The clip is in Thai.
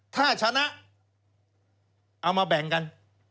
ถ้าชนะเอามาแบ่งกัน